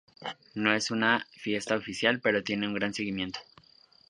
No es una fiesta oficial, pero tiene un gran seguimiento.